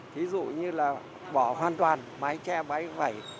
thí dụ như là bỏ hoàn toàn mái che máy vẩy